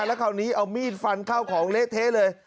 แล้วคราวนี้เอามีดฟันเข้าของเละเทะเลย